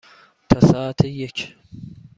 تا ساعت یک.